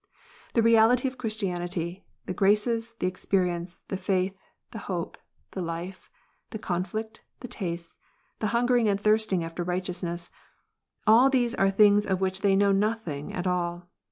~The reality of Christianity, the graces, the experience, the faith, the hopes, the life, the conflict, the tastes, the hunger ing and thirsting after righteousness, all these are things of which they know nothing at all.